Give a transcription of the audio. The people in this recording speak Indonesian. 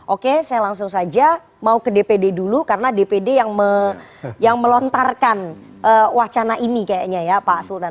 oke saya langsung saja mau ke dpd dulu karena dpd yang melontarkan wacana ini kayaknya ya pak sultan